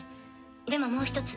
でももう１つ。